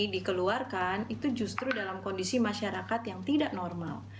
dikeluarkan itu justru dalam kondisi masyarakat yang tidak normal